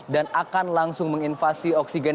dan akan langsung menginvasi oksigen